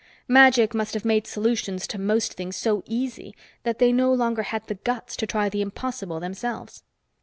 Magic must have made solutions to most things so easy that they no longer had the guts to try the impossible themselves.